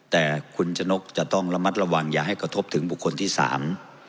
แต่คุณชะนกจะต้องระมัดระวังอย่าให้กระทบถึงบุคคลที่สาม